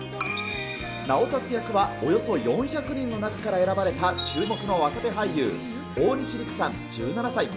直達役はおよそ４００人の中から選ばれた注目の若手俳優、大西利空さん１７歳。